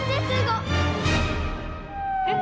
えっ？